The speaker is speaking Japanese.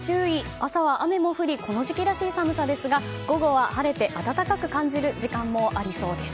朝は雨も降りこの時期らしい寒さですが午後は晴れて暖かく感じる時間もありそうです。